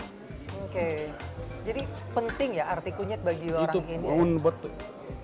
oke jadi penting ya arti kunyit bagi orang ini